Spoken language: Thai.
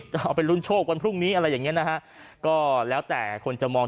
เอาไปลุ้นโชควันพรุ่งนี้อะไรอย่างเงี้นะฮะก็แล้วแต่คนจะมอง